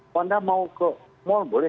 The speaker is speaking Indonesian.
kalau anda mau ke mall boleh